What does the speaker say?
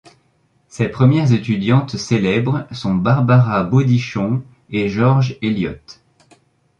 Ses premières étudiantes célèbres sont Barbara Bodichon et George Eliot.